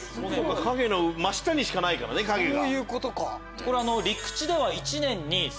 真下にしかないからね影が。